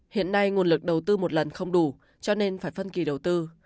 hiện nay nguồn lực đầu tư một lần không đủ cho nên phải phân kỳ đầu tư